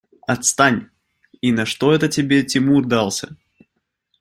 Отстань! И на что это тебе Тимур дался?